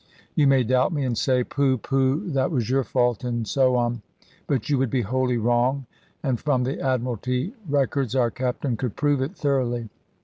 You may doubt me, and say, "Pooh, pooh! that was your fault;" and so on. But you would be wholly wrong; and from the Admiralty records our Captain could prove it thoroughly.